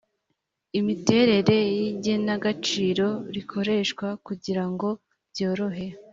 imiterere y igenagaciro rikoreshwa kugira ngo byorohe